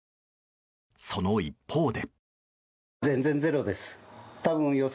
その一方で。